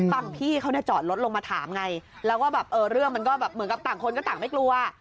ฝั่งพี่เขาเนี่ยจอดรถลงมาถามไงแล้วก็แบบเออเรื่องมันก็แบบเหมือนกับต่างคนก็ต่างไม่กลัว